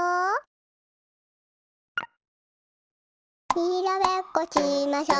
にらめっこしましょ。